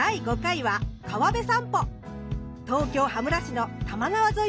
東京羽村市の多摩川沿いです。